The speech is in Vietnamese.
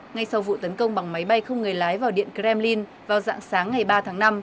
ngay sau vụ tấn công bằng máy bay không người lái vào điện kremlin vào dạng sáng ngày ba tháng năm